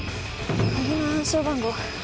鍵の暗証番号